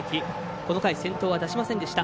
この回、先頭は出しませんでした。